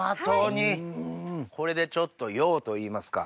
これでちょっと「洋」といいますか。